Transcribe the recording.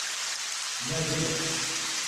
недеља